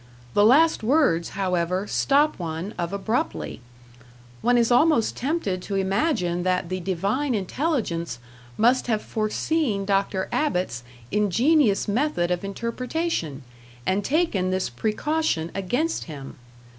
The last words, however, stop one of abruptly. One is almost tempted to imagine that the Divine Intelligence must have foreseen Dr. Abbott's ingenious method of interpretation, and taken this precaution against him.